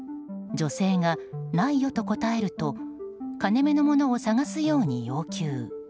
女性が、ないよと答えると金目の物を探すように要求。